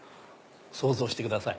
想像してください。